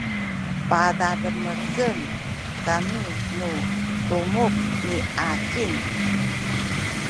padademecen kami nu tumuk miacin